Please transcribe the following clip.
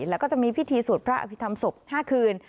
แล้วก็จะมีพิธีสวดพระอภิษฐรรมศพ๕คืน